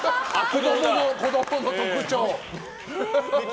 子供の特徴！